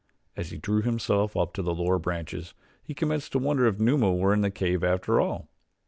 As he drew himself up to the lower branches he commenced to wonder if Numa were in the cave after all.